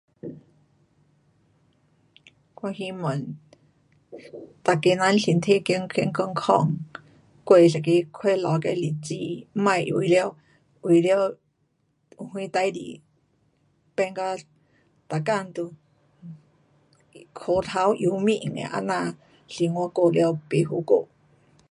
我希望大家人身体健健康康，过一个快乐的日子。别为了，为了有什事情变做每天都苦头忧脸的这样生活过了不好过。